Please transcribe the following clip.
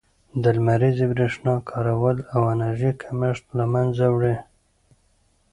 د لمریزې برښنا کارول د انرژۍ کمښت له منځه وړي.